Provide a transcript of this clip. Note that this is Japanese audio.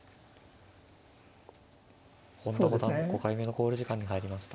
本田五段５回目の考慮時間に入りました。